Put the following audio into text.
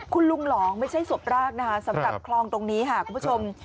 คุณลุงหลองไม่ใช่ศพแรกนะคะสำหรับคลองตรงนี้ค่ะคุณผู้ชม